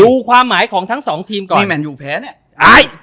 ความหมายของทั้งสองทีมก่อนนี่แมนอยู่แพ้เนี่ยตาย